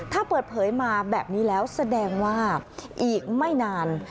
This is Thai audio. ถ้าเปิดเผยมาแบบนี้แล้วแสดงว่าอีกไม่นาน